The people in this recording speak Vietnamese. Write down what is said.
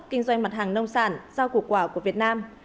kinh doanh mặt hàng nông sản giao củ quả của việt nam